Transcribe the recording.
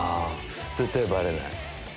絶対バレない？